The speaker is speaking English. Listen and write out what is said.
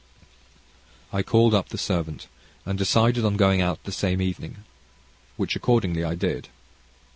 I called up the servant, and decided on going out the same evening, which accordingly I did.